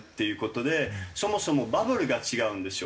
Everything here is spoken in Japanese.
そもそもバブルが違うんですよ。